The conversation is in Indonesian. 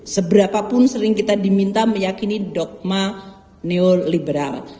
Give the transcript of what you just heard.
seberapapun sering kita diminta meyakini dogma neurliberal